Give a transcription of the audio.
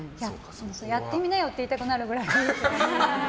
やってみなよって言いたくなるくらい。